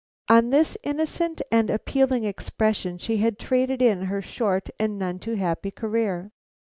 On this innocent and appealing expression she had traded in her short and none too happy career.